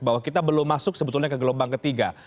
bahwa kita belum masuk sebetulnya ke gelombang ketiga